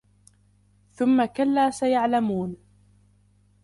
ثُمَّ كَلَّا سَيَعْلَمُونَ